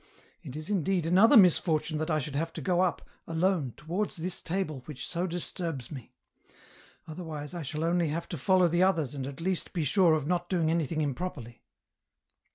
It is indeed another misfortune that I should have to go up, alone, to wards this Table which so disturbs me ; otherwise I shall only have to follow the others and at least be sure of not doing anything improperly."